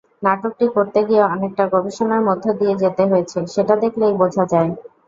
নাটকটি করতে গিয়ে অনেকটা গবেষণার মধ্য দিয়ে যেতে হয়েছে—সেটা দেখলেই বোঝা যায়।